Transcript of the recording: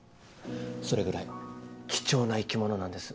それぐらい貴重な生き物なんです。